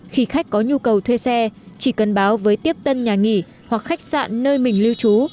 khi khách có nhu cầu thuê xe chỉ cần báo với tiếp tân nhà nghỉ hoặc khách sạn nơi mình lưu trú